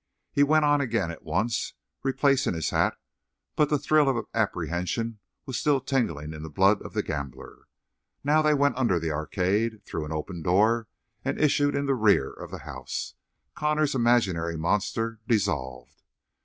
He went on again at once, replacing his hat, but the thrill of apprehension was still tingling in the blood of the gambler. Now they went under the arcade, through an open door, and issued in the rear of the house, Connor's imaginary "monster" dissolved.